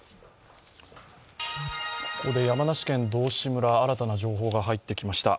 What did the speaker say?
山梨県道志村新たな情報が入ってきました。